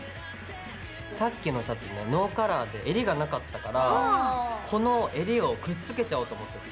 さっきのシャツねノーカラーでえりがなかったからこのえりをくっつけちゃおうと思ってて。